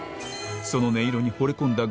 その音色にほれ込んだ